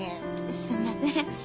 すんません。